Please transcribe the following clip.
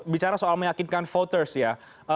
bicara soal meyakinkan voters ya